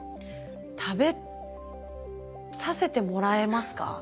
食べさせてもらえますか？